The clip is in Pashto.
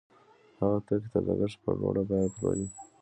هغه توکي تر لګښت په لوړه بیه پلوري